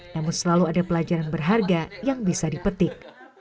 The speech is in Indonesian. namun selalu ada pelajaran berharga yang bisa dipetik